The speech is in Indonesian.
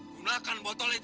gunakan botol itu